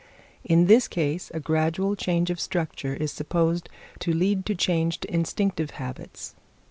In this case a gradual change of structure is supposed to lead to changed instinctive habits.